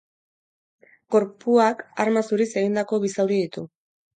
Gorpuak arma zuriz egindako bi zauri ditu.